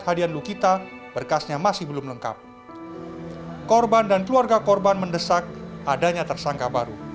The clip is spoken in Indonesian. hadian lukita berkasnya masih belum lengkap korban dan keluarga korban mendesak adanya tersangka baru